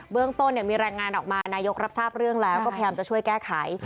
เรื่องต้นมีรายงานออกมานายกรับทราบเรื่องแล้วก็พยายามจะช่วยแก้ไข